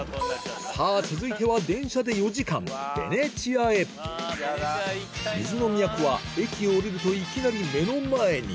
さぁ続いては電車で４時間ベネチアへ水の都は駅を降りるといきなり目の前に